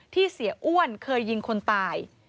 เสียอ้วนเคยยิงคนตาย